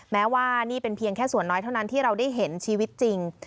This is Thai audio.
แม้ว่านี่เป็นเพียงแค่ส่วนน้อยเท่านั้นที่เราได้เห็นชีวิตจริง